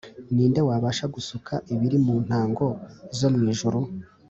ni nde wabasha gusuka ibiri mu ntango zo mu ijuru,